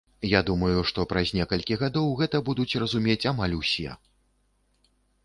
Я думаю, што праз некалькі гадоў гэта будуць разумець амаль усе!